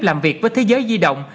làm việc với thế giới duy động